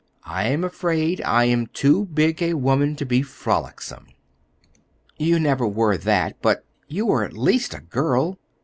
I am afraid I am too big a woman to be frolicsome." "You never were that, but you were at least a girl.